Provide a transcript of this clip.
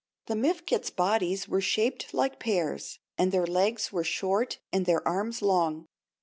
The Mifkets bodies were shaped like pears, and their legs were short and their arms long.